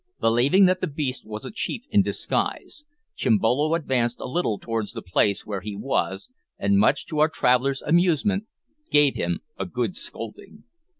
Believing that the beast was a chief in disguise, Chimbolo advanced a little towards the place where he was, and, much to our traveller's amusement, gave him a good scolding.